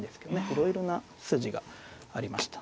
いろいろな筋がありました。